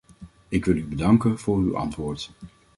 Ik wil u bedanken voor uw antwoord.